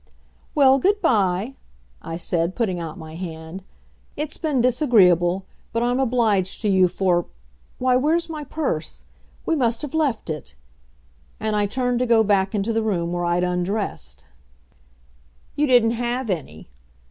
"Well, good by," I said, putting out my hand. "It's been disagreeable but I'm obliged to you for why, where's my purse! We must have left it " And I turned to go back into the room where I'd undressed. "You didn't have any."